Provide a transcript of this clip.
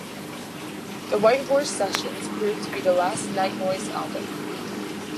"The White Horse Sessions" proved to be the last Nightnoise album.